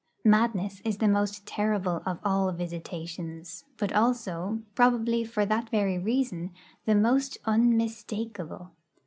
Madness is the most terrible of all visitations; but also, probably for that very reason, the most unmistakable.